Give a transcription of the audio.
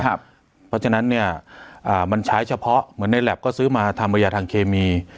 เพราะฉะนั้นมันใช้เฉพาะเหมือนในแล็บก็ซื้อมาทำประยาทางเคมี